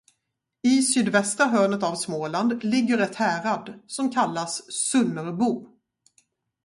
I sydvästra hörnet av Småland ligger ett härad, som kallas Sunnerbo.